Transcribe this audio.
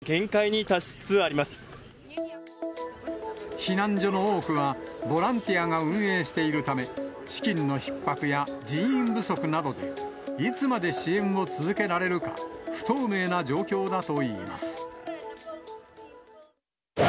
周辺では、受け入れも限界に達し避難所の多くは、ボランティアが運営しているため、資金のひっ迫や人員不足などで、いつまで支援を続けられるか、不透明な状況だといいます。